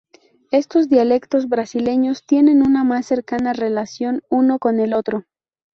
Estos dialectos brasileños tienen una más cercana relación uno con el otro.